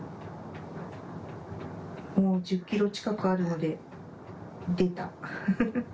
もう１０キロ近くあるので、出た。